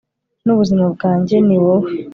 n'ubuzima bwanjye, ni wowe